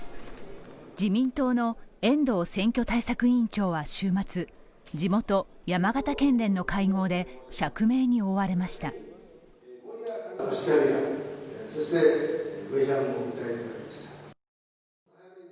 自民党の遠藤選挙対策委員長は週末、地元・山形県連の会合で釈明に追われました。